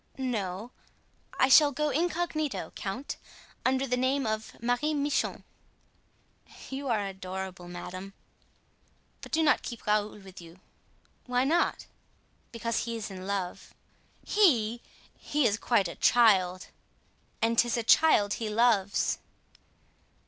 "No, I shall go incognito, count, under the name of Marie Michon." "You are adorable, madame." "But do not keep Raoul with you." "Why not?" "Because he is in love." "He! he is quite a child!" "And 'tis a child he loves."